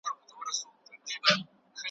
یو څه له پاسه یو څه له ځانه`